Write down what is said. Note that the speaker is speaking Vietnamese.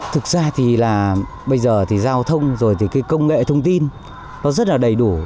thực ra thì là bây giờ thì giao thông rồi thì cái công nghệ thông tin nó rất là đầy đủ